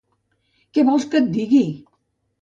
Què vols que et digui!